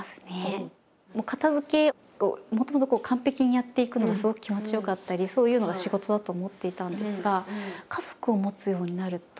片づけをもともと完璧にやっていくのがすごく気持ちよかったりそういうのが仕事だと思っていたんですが。